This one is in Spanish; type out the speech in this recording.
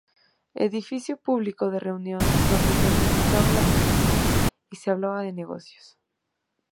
Edificio público de reunión donde se administraba la justicia y se hablaba de negocios.